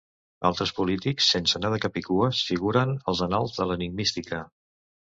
Altres polítics, sense anar de capicues, figuren als annals de l'enigmística.